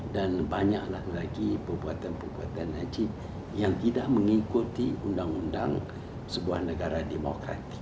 dan banyak lagi perbuatan perbuatan ej yang tidak mengikuti undang undang sebuah negara demokratik